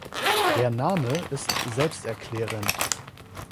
Der Name ist selbsterklärend.